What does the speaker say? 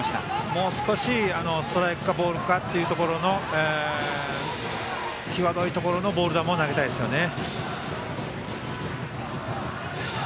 もう少しストライクかボールかというところの際どいところのボール球投げたいですね。